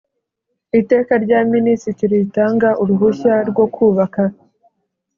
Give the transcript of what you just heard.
Iteka rya Minisitiri ritanga uruhushya rwo kubaka